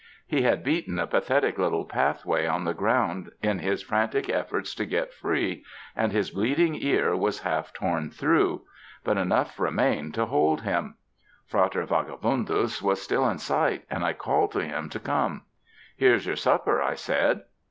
He had beaten a pathetic little pathway on the ground in his frantic efforts to get free, and his bleeding ear was half torn through, but enough remained to hold him. Frater Vagabundus was still in sight, and I called to him to come. "Here's your supper," I said.